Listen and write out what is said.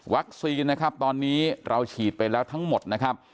นะครับตอนนี้เราฉีดไปแล้วทั้งหมดนะครับ